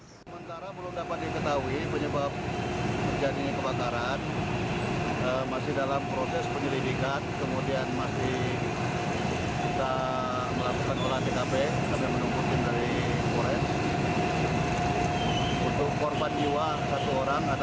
sementara belum dapat diketahui penyebab kejadian kebakaran